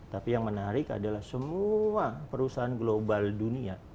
tapi yang menarik adalah semua perusahaan global dunia